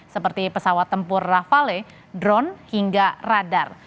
seperti pesawat tempur rafale drone hingga radar